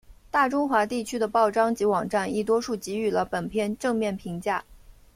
大中华地区的报章及网站亦多数给予了本片正面评价。